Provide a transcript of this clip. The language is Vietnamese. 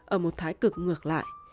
ở một thái cực ngược lại